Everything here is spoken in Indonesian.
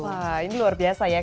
wah ini luar biasa ya